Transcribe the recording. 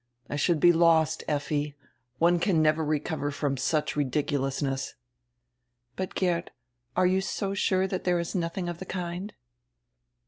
I should be lost, Effi. One can never recover from such ridiculousness." "But, Geert, are you so sure diat diere is nothing of die kind!"